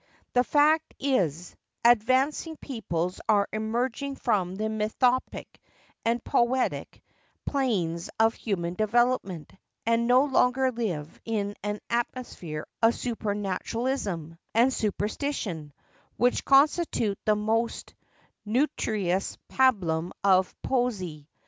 The fact is, advancing peoples are emerging from the mythopoeic, and poetic, planes of human development, and no longer live in an atmosphere of supernaturalism, and supersti¬ tion, which constitute the most nutritious pabulum of poesy.